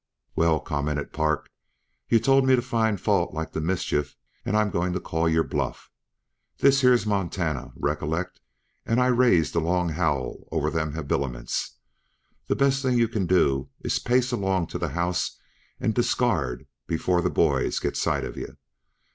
"Well," commented Park, "you told me to find fault like the mischief, and I'm going to call your bluff. This here's Montana, recollect, and I raise the long howl over them habiliments. The best thing you can do is pace along to the house and discard before the boys get sight of yuh.